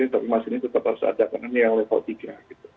tapi mas ini tetap harus ada karena ini yang level tiga